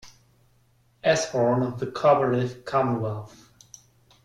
Eshorn of the Cooperative Commonwealth.